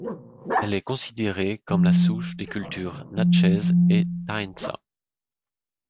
Elle est considérée comme la souche des cultures Natchez et Taensa.